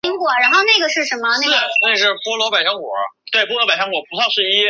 讨论节目以社会科学为话题。